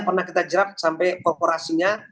pernah kita jerak sampai korporasinya